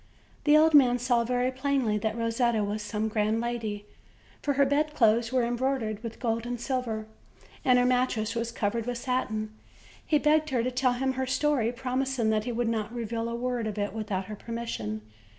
The old man saw very plainly that Rosetta was some grand lady, for her bedclothes were embroidered with gold and silver, and her mattress was covered with satin. He begged her to tell him her story, promising that he would not reveal a word of it without her permission.